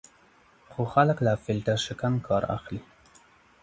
خو خلک له فیلټر شکن کار اخلي.